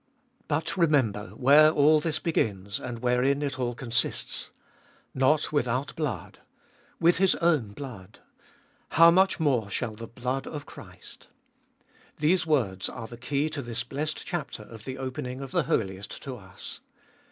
But remember where all this begins, and wherein it all con sists. Not without blood ! With His own blood ! How much more shall the blood of Christ ! These words are the key to this blessed chapter of the opening of the Holiest to us.